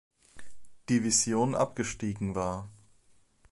Division abgestiegen war.